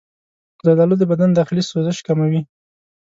زردآلو د بدن داخلي سوزش کموي.